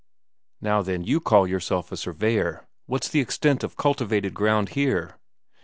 "Now then, you call yourself a surveyor, what's the extent of cultivated ground here?"